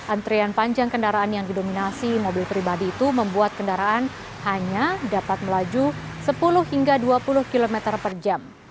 antrian panjang kendaraan yang didominasi mobil pribadi itu membuat kendaraan hanya dapat melaju sepuluh hingga dua puluh km per jam